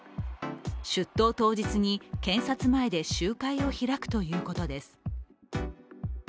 出頭当日に検察前で集会を開くということです。